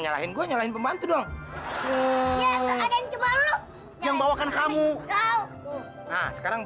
ya udah orang kamu salah